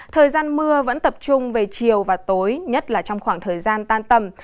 thời gian mưa vẫn tập trung về chiều và tối nhất là trong khoảng thời gian tan tầm